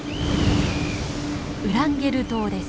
ウランゲル島です。